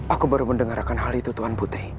aku baru mendengarkan hal itu tuan putri